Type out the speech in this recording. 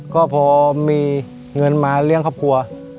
ก็พอมีเงินมาเลี้ยงครอบครัว